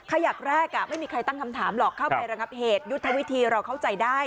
ขยักแรกไม่มีใครตั้งคำถามหรอกเข้าไประงับเหตุยุทธวิธีเราเข้าใจได้